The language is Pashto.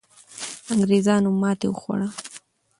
انګریزانو ماتې وخوړه.